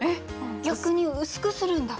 逆に薄くするんだ。